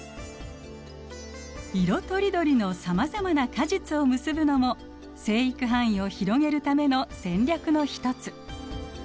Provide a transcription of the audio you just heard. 色とりどりのさまざまな果実を結ぶのも生育範囲を広げるための戦略の一つ。